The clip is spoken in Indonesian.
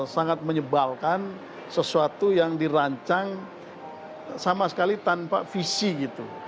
sangat menyebalkan sesuatu yang dirancang sama sekali tanpa visi gitu